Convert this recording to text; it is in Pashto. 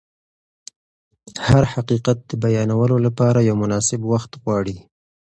هر حقیقت د بیانولو لپاره یو مناسب وخت غواړي.